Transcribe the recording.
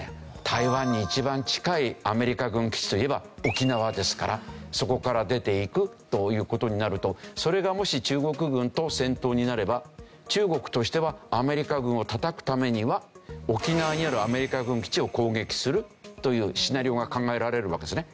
台湾に一番近いアメリカ軍基地といえば沖縄ですからそこから出て行くという事になるとそれがもし中国軍と戦闘になれば中国としてはアメリカ軍をたたくためには沖縄にあるアメリカ軍基地を攻撃するというシナリオが考えられるわけですね。